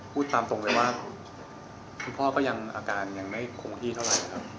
พูดตามตรงเลยว่าคุณพ่อก็ยังอาการยังไม่คงที่เท่าไหร่ครับ